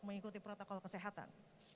mengikuti protokol kesehatan